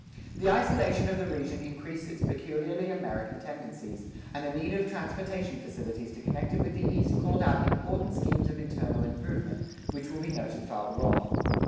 The isolation of the region increased its peculiarly American tendencies, and the need of transportation facilities to connect it with the East called out important schemes of internal improvement, which will be noted farther on.